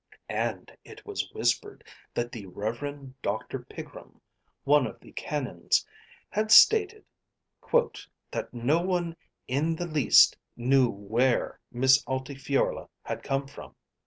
And it was whispered that the Reverend Dr. Pigrum, one of the canons, had stated "that no one in the least knew where Miss Altifiorla had come from."